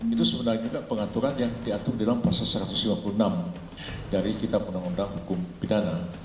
itu sebenarnya juga pengaturan yang diatur dalam pasal satu ratus lima puluh enam dari kitab undang undang hukum pidana